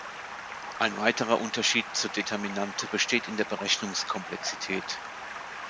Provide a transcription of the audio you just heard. Ein weiterer Unterschied zur Determinante besteht in der Berechnungs-Komplexität.